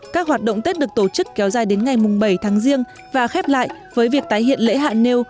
các hoạt động tết được tổ chức kéo dài đến ngày bảy tháng riêng và khép lại với việc tái hiện lễ hạ nêu